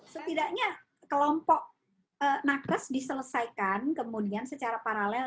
setidaknya kelompok nakes diselesaikan kemudian secara paralel